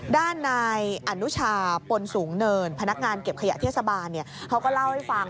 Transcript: ด้านนายอนุชาปนสูงเนินพนักงานเก็บขยะเทศบาลเขาก็เล่าให้ฟัง